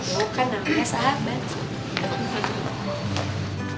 ibu kan namanya sahabat sih